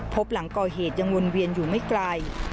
หลังก่อเหตุยังวนเวียนอยู่ไม่ไกล